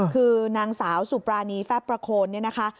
คือนางสาวสุปรานีแฟประโคน